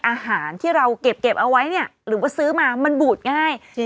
อาหารที่เราเก็บเอาไว้เนี่ยหรือว่าซื้อมามันบูดง่าย